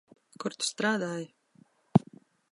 Kur tu strādāji?